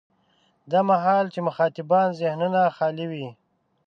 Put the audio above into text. دا مهال چې مخاطبانو ذهنونه خالي وي.